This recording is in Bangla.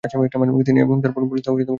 তিনি এবং তার বোন বরিন্সলাও ক্ল্যান্ডেসটাইন